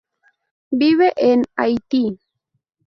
Vive en Haití.